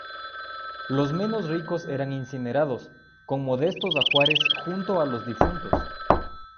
Los menos ricos eran incinerados, con modestos ajuares junto a los difuntos.